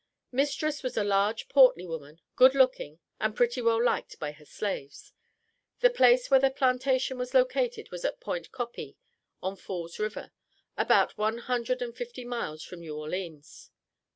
Mistress was a large, portly woman, good looking, and pretty well liked by her slaves. The place where the plantation was located was at Point Copee, on Falls River, about one hundred and fifty miles from New Orleans.